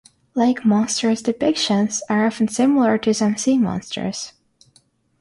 Lake monsters' depictions are often similar to some sea monsters.